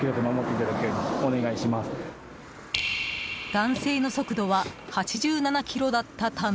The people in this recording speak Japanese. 男性の速度は８７キロだったため